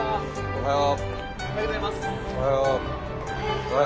おはよう。